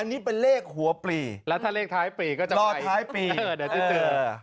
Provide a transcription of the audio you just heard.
อันนี้เป็นเลขหัวปลีแล้วถ้าเลขท้ายปีก็จะรอท้ายปีเดี๋ยวจะเจอ